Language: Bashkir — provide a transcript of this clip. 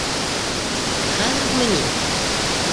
Хәҙер үкме ни?